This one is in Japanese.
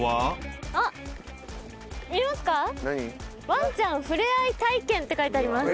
「ワンちゃんふれあい体験」って書いてあります。